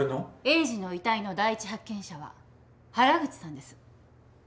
栄治の遺体の第一発見者は原口さんです。